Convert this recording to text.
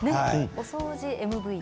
お掃除ＭＶ。